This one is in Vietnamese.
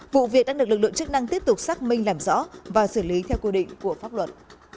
vụ việc đã được lực lượng chức năng tiếp tục xác minh làm rõ và xử lý theo quy định của pháp luật